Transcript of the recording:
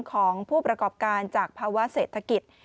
ของผู้ประกอบการจากภาวะเศรษฐกิจ